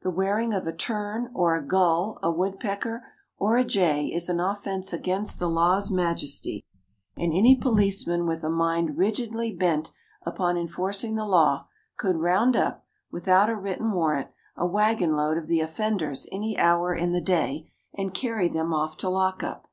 The wearing of a tern, or a gull, a woodpecker, or a jay is an offense against the law's majesty, and any policeman with a mind rigidly bent upon enforcing the law could round up, without a written warrant, a wagon load of the offenders any hour in the day, and carry them off to the lockup.